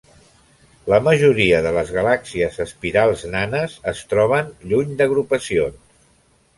La majoria de les galàxies espirals nanes es troben lluny d'agrupacions.